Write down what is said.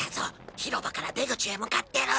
広場から出口へ向かってる。